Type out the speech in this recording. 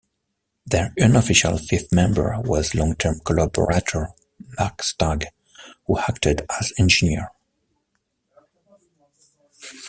Their unofficial fifth member was long term collaborator Mark Stagg, who acted as engineer.